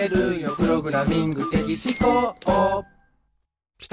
プログラミング的思考」